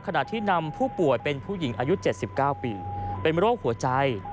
ขณะที่นำผู้ป่วยเป็นผู้หญิงอายุ๗๙ปีเป็นโรคหัวใจ